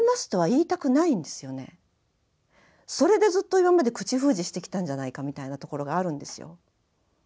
それでずっと今まで口封じしてきたんじゃないかみたいなところがあるんですよ。